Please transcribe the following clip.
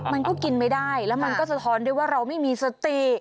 มันก็กินไม่ได้แล้วมันก็สะท้อนได้ว่าเราไม่มีสติ